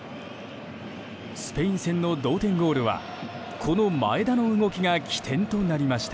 スペイン戦の同点ゴールはこの前田の動きが起点となりました。